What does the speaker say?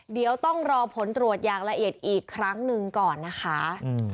เดี๋ยวต้องรอผลตรวจอย่างละเอียดอีกครั้งหนึ่งก่อนนะคะ